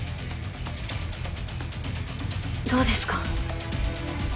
どうですか？